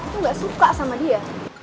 itu gak suka sama dia